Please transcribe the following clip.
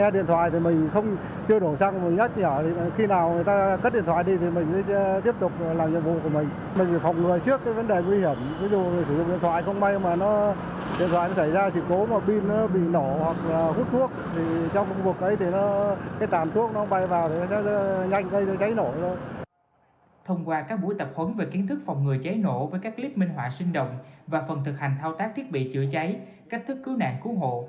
thông qua các buổi tập huấn về kiến thức phòng ngừa cháy nổ với các clip minh họa sinh động và phần thực hành thao tác thiết bị chữa cháy cách thức cứu nạn cứu hộ